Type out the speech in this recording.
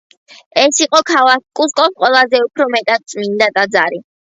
ეს იყო ქალაქ კუსკოს ყველაზე უფრო მეტად წმინდა ტაძარი.